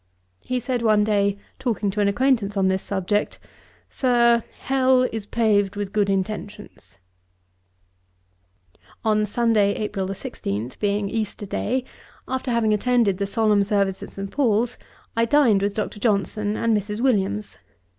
He said one day, talking to an acquaintance on this subject, 'Sir, Hell is paved with good intentions.' On Sunday, April 16, being Easter Day, after having attended the solemn service at St. Paul's, I dined with Dr. Johnson and Mrs. Williams.